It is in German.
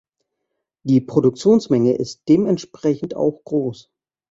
Die Produktionsmenge ist dementsprechend auch groß.